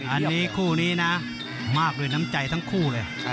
อันนี้คู่นี้นะมากด้วยน้ำใจทั้งคู่เลย